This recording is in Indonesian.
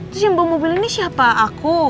terus yang bawa mobil ini siapa aku